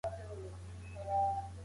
هند د څېړنې لپاره لومړنۍ سیمه وه.